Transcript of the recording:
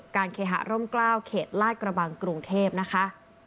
เคหาร่มกล้าวเขตลาดกระบังกรุงเทพนะคะ